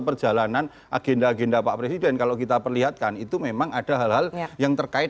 perjalanan agenda agenda pak presiden kalau kita perlihatkan itu memang ada hal hal yang terkait